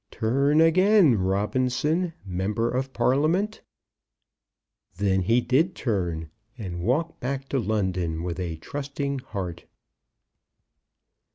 "Turn again, Robinson, Member of Parliament." Then he did turn, and walked back to London with a trusting heart.